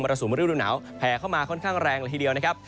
สุมฤดูหนาวแผ่เข้ามาค่อนข้างแรงละทีเดียวนะครับ